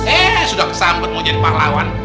eh sudah kesambet mau jadi pahlawan